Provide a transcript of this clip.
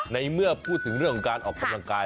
ในเมื่อพูดถึงการออกกำลังกาย